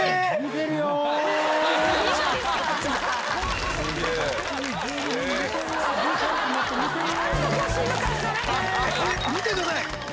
え⁉見てください！